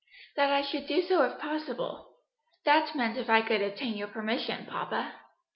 "That I should do so if possible; that meant if I could obtain your permission, papa."